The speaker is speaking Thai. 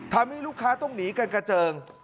ทำให้ลูกค้าต้องหนีกันกระเจิง